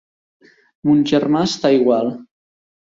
Mon germà està igual.